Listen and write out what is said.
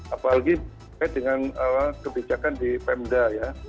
apalagi dengan kebijakan di pemda ya